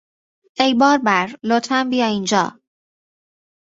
آی بار بر! لطفا بیا اینجا!